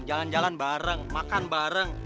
jalan jalan bareng makan bareng